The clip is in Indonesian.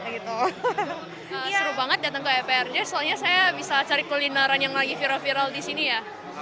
seru banget datang ke mprj soalnya saya bisa cari kulineran yang lagi viral viral di sini ya